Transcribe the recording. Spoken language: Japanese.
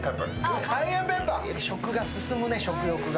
食が進むね、食が。